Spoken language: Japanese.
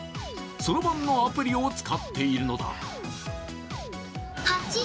そろばんのアプリを使っているのだ。